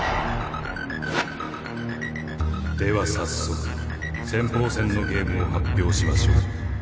では早速先鋒戦のゲームを発表しましょう。